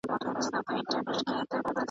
وختونه به تیریږي دا ژوندون به سبا نه وي .